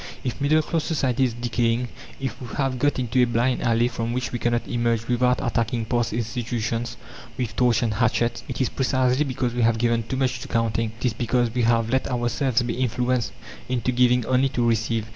If middle class society is decaying, if we have got into a blind alley from which we cannot emerge without attacking past institutions with torch and hatchet, it is precisely because we have given too much to counting. It is because we have let ourselves be influenced into giving only to _receive.